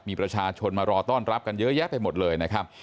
มีประชาชนมารอต้อนรับกันเยอะแยะไปหมดเลยนะครับ